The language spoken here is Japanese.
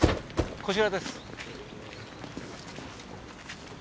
こちらです。